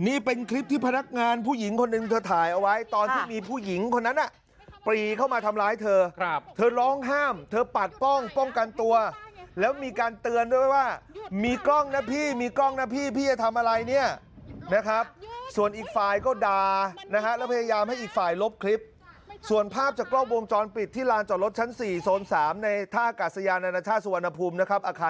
หยุดหยุดหยุดหยุดหยุดหยุดหยุดหยุดหยุดหยุดหยุดหยุดหยุดหยุดหยุดหยุดหยุดหยุดหยุดหยุดหยุดหยุดหยุดหยุดหยุดหยุดหยุดหยุดหยุดหยุดหยุดหยุดหยุดหยุดหยุดหยุดหยุดหยุดหยุดหยุดหยุดหยุดหยุดหยุดห